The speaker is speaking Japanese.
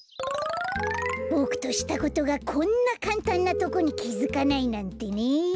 ボクとしたことがこんなかんたんなとこにきづかないなんてね！